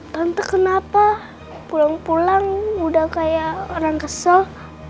tante kenapa pulang pulang udah kayak orang kesel